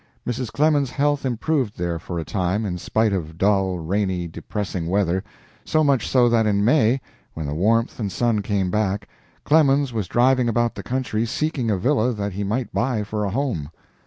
Mrs. Clemens's health improved there for a time, in spite of dull, rainy, depressing weather; so much so that in May, when the warmth and sun came back, Clemens was driving about the country, seeking a villa that he might buy for a home.